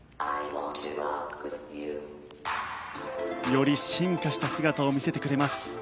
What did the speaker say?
より進化した姿を見せてくれます。